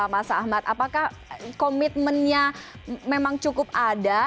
mas ahmad apakah komitmennya memang cukup ada